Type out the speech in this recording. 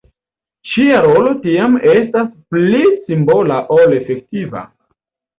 Ŝia rolo tiam estas pli simbola ol efektiva.